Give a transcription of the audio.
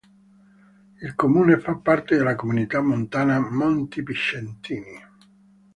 Il comune fa parte della Comunità montana Monti Picentini.